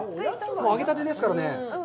揚げたてですからね。